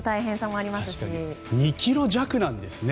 ２ｋｇ弱なんですね。